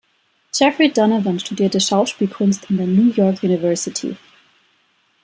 Jeffrey Donovan studierte Schauspielkunst an der New York University.